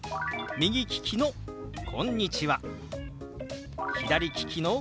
左利きの「こんにちは」。